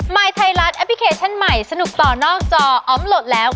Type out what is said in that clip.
ยไทยรัฐแอปพลิเคชันใหม่สนุกต่อนอกจออมโหลดแล้ว